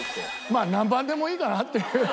まあ何番でもいいかなっていう。